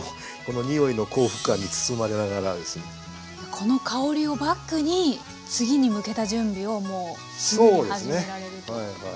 この香りをバックに次に向けた準備をもうすぐに始められる。